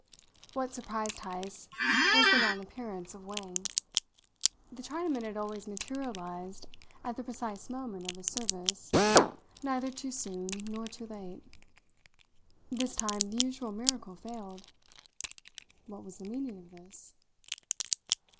What surprised Heyst was the non appearance of Wang. The Chinaman had always materialized at the precise moment of his service, neither too soon nor too late. This time the usual miracle failed. What was the meaning of this?